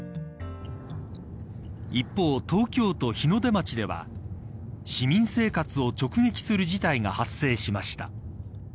一方、東京都日の出町では市民生活を直撃する事態が発生しました。